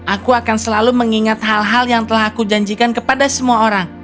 aku akan selalu mengingat hal hal yang telah aku janjikan kepada semua orang